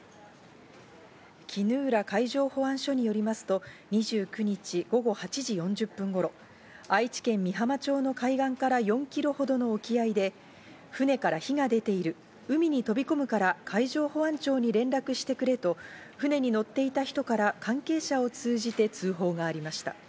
衣浦海上保安署によりますと、２９日午後８時４０分頃、愛知県美浜町の海岸から４ｋｍほどの沖合で、船から火が出ている、海に飛び込むから海上保安庁に連絡してくれと船に乗っていた人から関係者を通じて通報がありました。